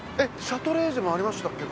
シャトレーゼもありましたっけ？